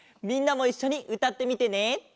みんなもいっしょにうたってみてね。